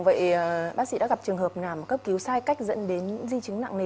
vậy bác sĩ đã gặp trường hợp nào mà cấp cứu sai cách dẫn đến di chứng nặng nề